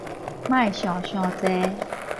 莫想傷濟